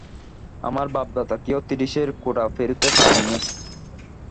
আমার বাপ দাদা কেউ ত্রিশের কোঠা পেরোতে পারেন নি।